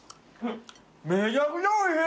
めちゃくちゃおいしい！